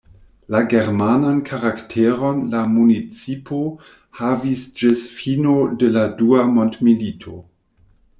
La germanan karakteron la municipo havis ĝis fino de la dua mondmilito.